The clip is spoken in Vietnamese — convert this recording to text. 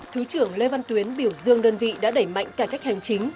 thứ trưởng lê văn tuyến biểu dương đơn vị đã đẩy mạnh cải cách hành chính